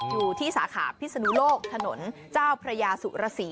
อยู่ที่สาขาพิษนุโลกถนนเจ้าพระยาสุรสี